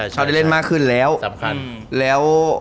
เค้าได้เล่นมากขึ้นแล้ว